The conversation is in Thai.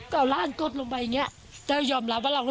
ฟังย่าฮะ